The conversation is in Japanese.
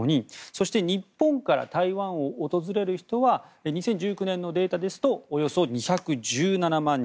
そして日本から台湾を訪れる人は２０１９年のデータですとおよそ２１７万人。